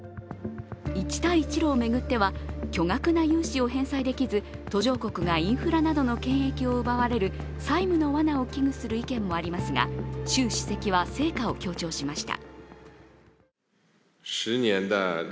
一帯一路を巡っては巨額な融資を返済できず途上国がインフラなどの権益を奪われる債務のわなを危惧する意見もありますが、習主席は成果を強調しました。